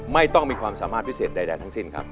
ไม่ต้องมีความสามารถพิเศษใดทั้งสิ้นครับ